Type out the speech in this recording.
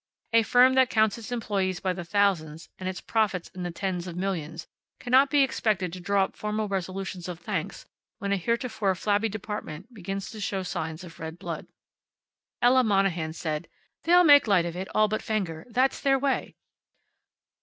A firm that counts its employees by the thousands, and its profits in tens of millions, cannot be expected to draw up formal resolutions of thanks when a heretofore flabby department begins to show signs of red blood. Ella Monahan said, "They'll make light of it all but Fenger. That's their way."